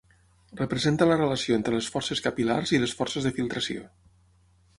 Representa la relació entre les forces capil·lars i les forces de filtració.